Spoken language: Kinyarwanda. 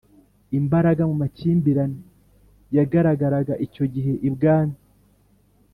Imbaraga mu makimbirane yagaragaraga icyo gihe ibwami